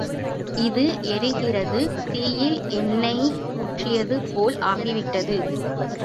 இது எரிகிற தீயில் எண்ணெய் ஊற்றியதுபோல் ஆகிவிட்டது.